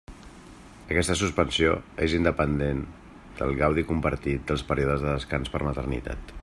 Aquesta suspensió és independent del gaudi compartit dels períodes de descans per maternitat.